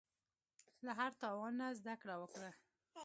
له هر تاوان نه زده کړه وکړه.